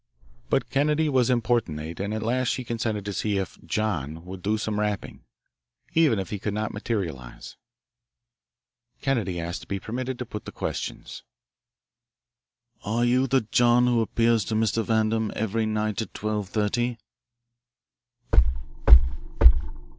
But Kennedy was importunate and at last she consented to see if "John" would do some rapping, even if he could not materialise. Kennedy asked to be permitted to put the questions. "Are you the 'John' who appears to Mr. Vandam every night at twelve thirty?"